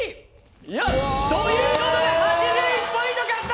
よし！ということで８１ポイント獲得！